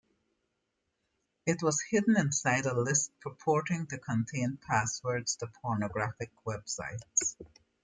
It was hidden inside a list purporting to contain passwords to pornographic websites.